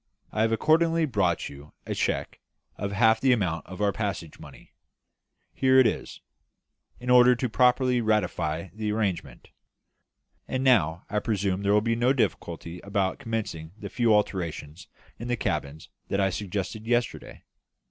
I have accordingly brought you a cheque for half the amount of our passage money here it is in order to properly ratify the arrangement; and now I presume there will be no difficulty about commencing the few alterations in the cabins that I suggested yesterday?"